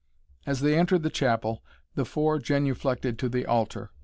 As they entered the chapel, the four genuflected to the altar.